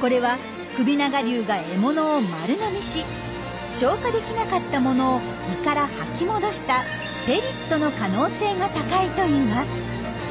これは首長竜が獲物を丸飲みし消化できなかったものを胃から吐き戻した「ペリット」の可能性が高いといいます。